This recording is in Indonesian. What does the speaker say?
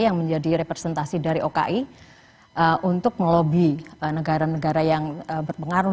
yang menjadi representasi dari oki untuk melobi negara negara yang berpengaruh